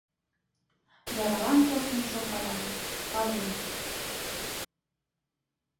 Яралан коштмым шылталат, палем.